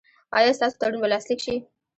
ایا ستاسو تړون به لاسلیک شي؟